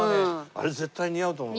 あれ絶対似合うと思う。